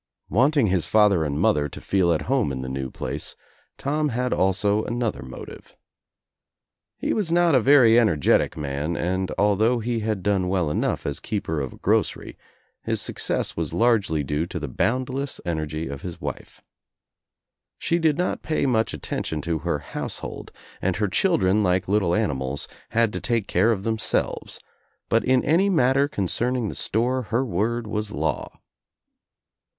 Wanting his father and mother to feel at home in the new place, Tom had also another motive. He was not a very energetic man and, although he had done well enough as keeper of a grocery, his success was largely due to the boundless energy of his wife. She did not pay much attention to her household and her children, like little animals, had to take care of themselves, but in any matter concerning the store her word was law.